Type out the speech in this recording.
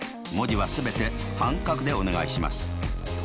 文字は全て半角でお願いします。